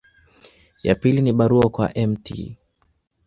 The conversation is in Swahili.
Ya pili ni barua kwa Mt.